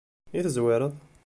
I tezwireḍ?